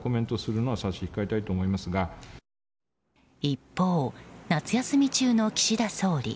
一方、夏休み中の岸田総理。